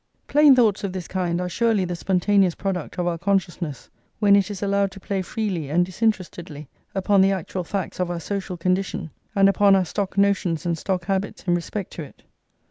Plain thoughts of this kind are surely the spontaneous product of our consciousness, when it is allowed to play freely and disinterestedly upon the actual facts of our social condition, and upon our stock notions and stock habits in respect to it.